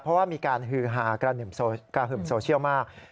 เพราะว่ามีการฮือฮากระหึ่มโซเชียลมาก